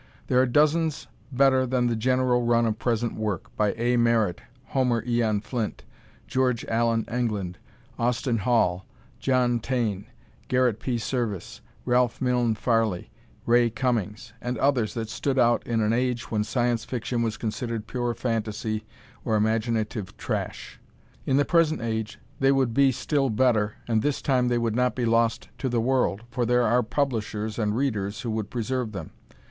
There are dozens better than the general run of present work, by A. Merritt, Homer Eon Flint, George Allan England, Austin Hall, John Taine, Garret P. Serviss, Ralph Milne Farley, Ray Cummings, and others that stood out in an age when Science Fiction was considered pure phantasy or imaginative "trash." In the present age, they would be still better, and this time they would not be lost to the world, for there are publishers and readers who would preserve them.